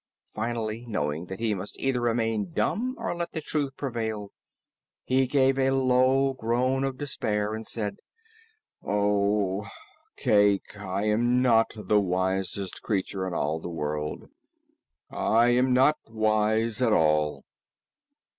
Finally, knowing that he must either remain dumb or let the truth prevail, he gave a low groan of despair and said, "Cayke, I am NOT the Wisest Creature in all the World; I am not wise at all."